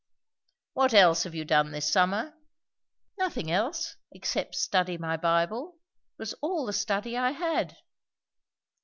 "What else have you done this summer?" "Nothing else, except study my Bible. It was all the study I had."